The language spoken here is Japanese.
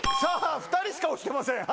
２人しか押してません。